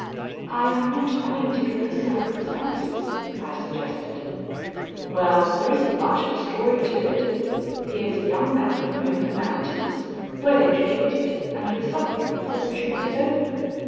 "I am not acquainted with the circumstances," I suggested. "Well, there isn't much of a story to it. He is a young man from over the mountains, well educated, and with something of a fortune of his own.